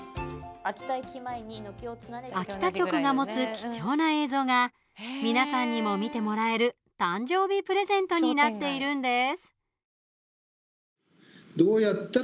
秋田局が持つ貴重な映像が皆さんにも見てもらえる誕生日プレゼントになっているんです。